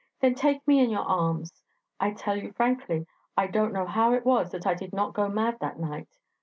'Then take me in your arms.' I tell you frankly, I don't know how it was I did not go mad that night.